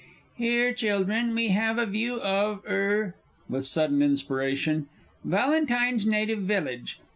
_) Here, children, we have a view of er (with sudden inspiration) Valentine's Native Village.